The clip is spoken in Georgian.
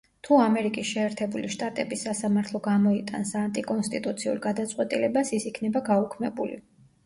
თუ ამერიკის შეერთებული შტატების სასამართლო გამოიტანს ანტიკონსტიტუციურ გადაწყვეტილებას ის იქნება გაუქმებული.